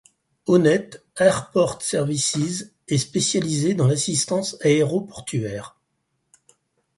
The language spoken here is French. Onet Airport Services est spécialisé dans l'assistance aéroportuaire.